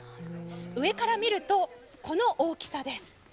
上から見るとこの大きさです。